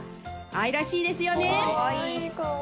愛らしいですよね